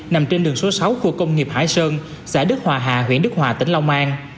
nằm trên đường số sáu khu công nghiệp hải sơn xã đức hòa hà huyện đức hòa tỉnh long an